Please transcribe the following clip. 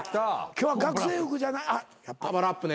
今日は学生服じゃ。